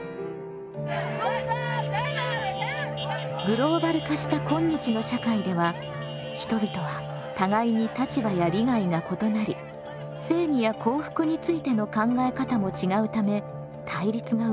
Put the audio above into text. グローバル化した今日の社会では人々は互いに立場や利害が異なり正義や幸福についての考え方も違うため対立が生まれます。